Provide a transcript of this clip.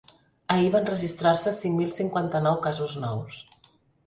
Ahir van registrar-se cinc mil cinquanta-nou casos nous.